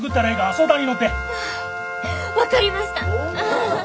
分かりました！